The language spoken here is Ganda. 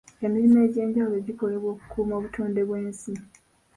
Emirimu egy'enjawulo gikolebwa okukuuma obutonde bw'ensi.